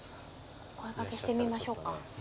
お声掛けしてみましょうか。